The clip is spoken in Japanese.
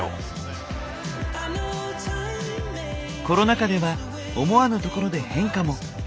コロナ禍では思わぬところで変化も。